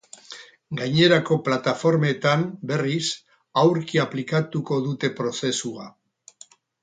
Gainerako plataformetan, berriz, aurki aplikatuko dute prozesua.